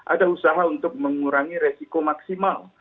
ada usaha untuk mengurangi resiko maksimal